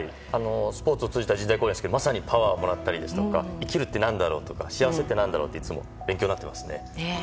スポーツを通じた交流でまさにパワーをもらったり生きるって何だろうとか幸せって何だろうといつも勉強になっています。